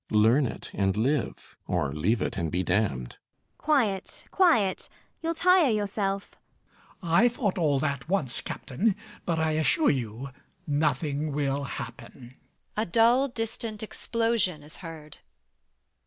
Learn it and live; or leave it and be damned. ELLIE. Quiet, quiet: you'll tire yourself. MAZZINI. I thought all that once, Captain; but I assure you nothing will happen. A dull distant explosion is heard.